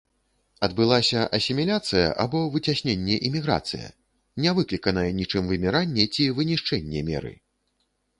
Адбылася асіміляцыя, або выцясненне і міграцыя, не выкліканае нічым выміранне ці вынішчэнне меры?